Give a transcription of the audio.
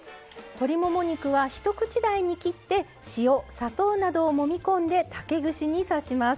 鶏もも肉は一口大に切って塩、砂糖などをもみ込んで竹串に刺します。